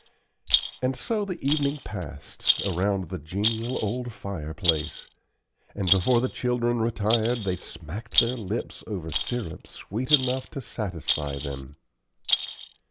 And so the evening passed, around the genial old fireplace; and before the children retired they smacked their lips over sirup sweet enough to satisfy them.